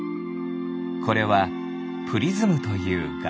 これはプリズムというガラス。